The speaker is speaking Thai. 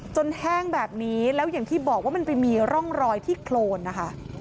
แห้งแบบนี้แล้วอย่างที่บอกว่ามันไปมีร่องรอยที่โครนนะคะ